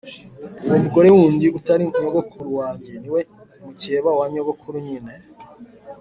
uwo mugore wundi utari nyogokuru wange ni we mukeba wa nyogokuru nyine